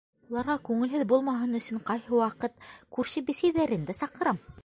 Уларға күңелһеҙ булмаһын өсөн, ҡайһы ваҡыт күрше бесәйҙәрен дә саҡырам.